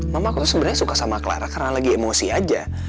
mama aku sebenarnya suka sama clara karena lagi emosi aja